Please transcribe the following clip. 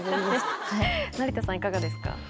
成田さんいかがですか？